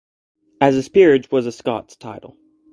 As his peerage was a Scots title.